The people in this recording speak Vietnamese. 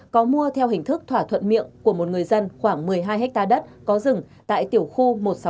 có mua theo hình thức thỏa thuận miệng của một người dân khoảng một mươi hai ha đất có rừng tại tiểu khu một nghìn sáu trăm năm mươi tám